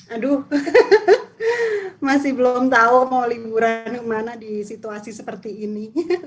aduh masih belum tahu mau liburan kemana di situasi seperti ini